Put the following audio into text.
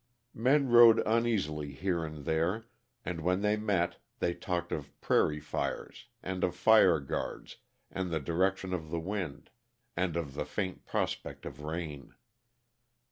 Men rode uneasily here and there, and when they met they talked of prairie fires and of fire guards and the direction of the wind, and of the faint prospect of rain.